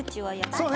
そうね。